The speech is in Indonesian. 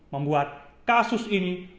membuat kasus ini baru diketahui